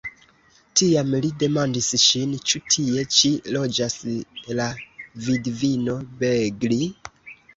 Tiam li demandis ŝin: "Ĉu tie ĉi loĝas la vidvino Begli?"